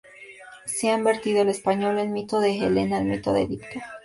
Se han vertido al español "El mito de Helena", "El mito de Edipo.